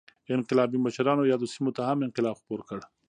انقلابي مشرانو یادو سیمو ته هم انقلاب خپور کړ.